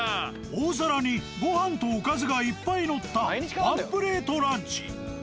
大皿にご飯とおかずがいっぱいのったワンプレートランチ